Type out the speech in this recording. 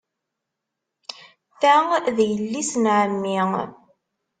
Ta d yelli-s n ɛemmi.